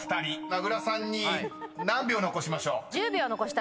［名倉さんに何秒残しましょう？］